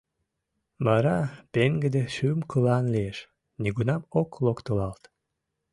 Вара пеҥгыде шӱм-кылан лиеш, нигунам ок локтылалт...